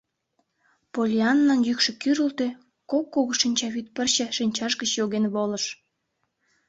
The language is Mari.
— Поллианнан йӱкшӧ кӱрылтӧ, кок кугу шинчавӱд пырче шинчаж гыч йоген волыш.